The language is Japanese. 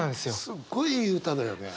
すっごいいい歌だよね。